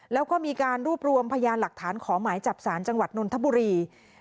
แล้วก็มีการรวบรวมพยานหลักฐานขอหมายจับสารจังหวัดนนทบุรี